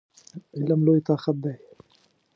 علم لوی طاقت دی!